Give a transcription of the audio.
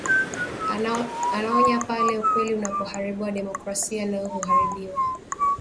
Anaonya pale ukweli unapoharibiwa demokrasia nayo huharibiwa